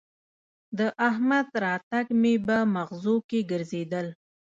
د احمد راتګ مې به مغزو کې ګرځېدل